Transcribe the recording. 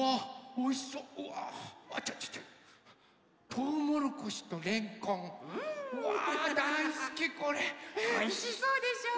おいしそうでしょう？